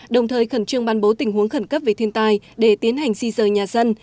đồng thời khẩn trương ban bố tình huống khẩn cấp về thiên tai để tiến hành di rời nhà dân